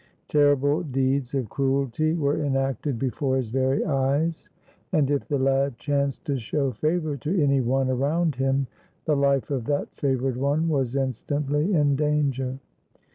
Terrible deeds of cruelty were enacted before his very eyes; and, if the lad chanced to show favor to any one around him, the hfe of that favored one was instantly in danger.